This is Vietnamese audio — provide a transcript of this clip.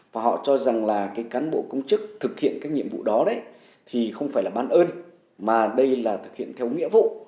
và họ cho rằng là cái cán bộ công chức thực hiện các nhiệm vụ đó đấy thì không phải là ban ơn mà đây là thực hiện theo nghĩa vụ